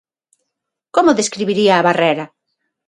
Como describiría a Barrera?